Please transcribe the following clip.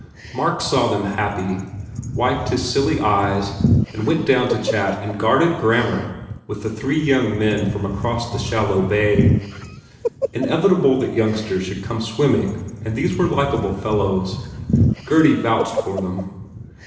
Mark saw them happy, wiped his silly eyes and went down to chat in guarded grammar with the three young men from across the shallow bay. Inevitable that youngsters should come swimming and these were likeable fellows. Gurdy vouched for them.